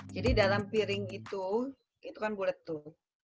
jadi dalam piring itu itu kan bulet tuh